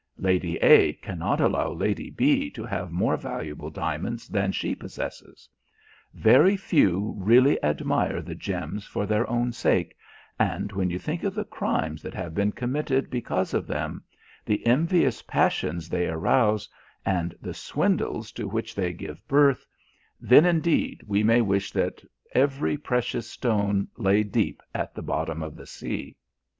Lady A cannot allow Lady B to have more valuable diamonds than she possesses. Very few really admire the gems for their own sake, and when you think of the crimes that have been committed because of them, the envious passions they arouse, and the swindles to which they give birth, then, indeed, we may wish that every precious stone lay deep at the bottom of the sea."